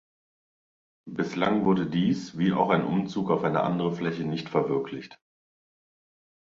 Bislang wurde dies wie auch ein Umzug auf eine andere Fläche nicht verwirklicht.